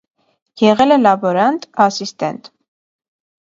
Եղել է լաբորանտ, ասիստենտ։